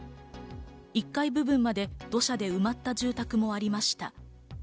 １階部分まで土砂で埋まった住宅もありました。